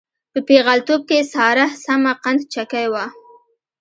په پېغلتوب کې ساره سمه قند چکۍ وه.